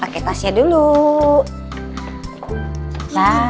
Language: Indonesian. paket tasnya dulu